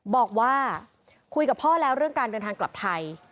บอกว่าคุยกับพ่อแล้วเรื่องการเดินทางกลับไทย